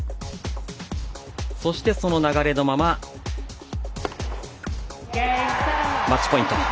そして、その流れのままマッチポイント。